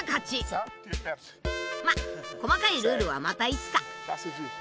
まっ細かいルールはまたいつか。